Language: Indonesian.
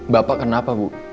bapak kenapa bu